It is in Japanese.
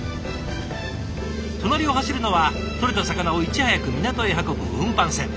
隣を走るのはとれた魚をいち早く港へ運ぶ運搬船。